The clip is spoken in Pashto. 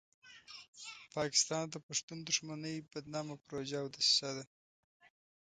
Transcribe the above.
پاکستان د پښتون دښمنۍ بدنامه پروژه او دسیسه ده.